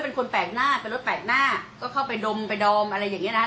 เป็นคนแปลกหน้าเป็นรถแปลกหน้าก็เข้าไปดมไปดอมอะไรอย่างเงี้นะคะ